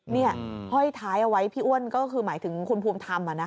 เนี่ยห้อยท้ายเอาไว้พี่อ้วนก็คือหมายถึงคนพวงธรรมอะนะคะ